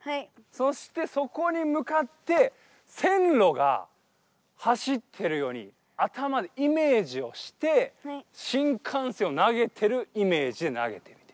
そしてそこに向かって線ろが走ってるように頭でイメージをして新幹線を投げてるイメージで投げてみて。